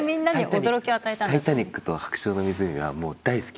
『タイタニック』と『白鳥の湖』はもう大好きで。